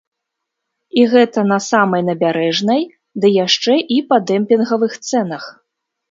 І гэта на самай набярэжнай, ды яшчэ і па дэмпінгавых цэнах.